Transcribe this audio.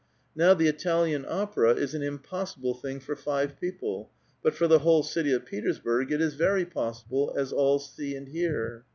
Now the Italian opera is an imiK>ssible thing for five people ; but for the whole cit^' of Petersburg it is very possible, as all see and hear.